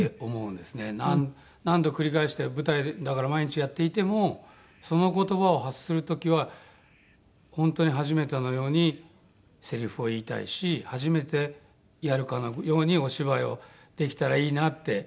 何度繰り返して舞台で毎日やっていてもその言葉を発する時は本当に初めてのようにせりふを言いたいし初めてやるかのようにお芝居をできたらいいなって。